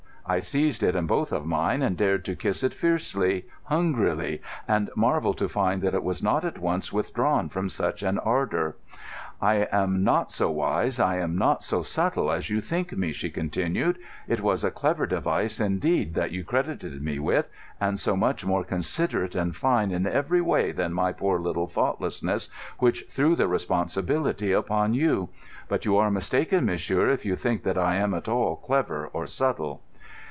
I seized it in both of mine and dared to kiss it fiercely, hungrily, and marvelled to find that it was not at once withdrawn from such an ardour. "I am not so wise, I am not so subtle, as you think me," she continued. "It was a clever device, indeed, that you credited me with, and so much more considerate and fine in every way than my poor little thoughtlessness which threw the responsibility upon you. But you are mistaken, monsieur, if you think that I am at all clever or subtle."